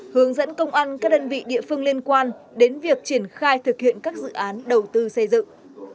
hướng dẫn công an các đơn vị địa phương liên quan đến việc triển khai thực hiện các dự án đầu tư xây dựng